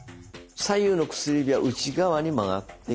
左右の薬指は内側に曲がって。